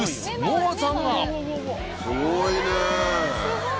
すごい。